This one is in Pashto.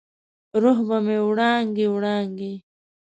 روح به مې وړانګې، وړانګې،